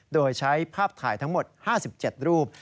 โดยใช้ภาพถ่ายทั้งหมด๕๗รูป